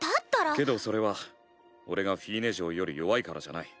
けどそれは俺がフィーネ嬢より弱いからじゃない。